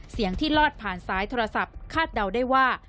เสียงที่ลอดผ่านสายโทรศัพท์คาดเดาได้ว่า